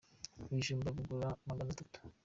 ibijumba bigura magana atatu